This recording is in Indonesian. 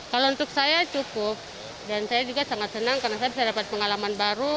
kalau untuk saya cukup dan saya juga sangat senang karena saya bisa dapat pengalaman baru